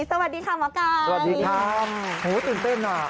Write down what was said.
สวัสดีค่ะหมอไก่สวัสดีครับโหตื่นเต้นอ่ะ